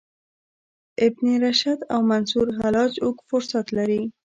ابن رشد او منصورحلاج اوږد فهرست لري.